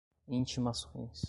intimações